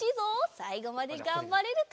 さいごまでがんばれるか？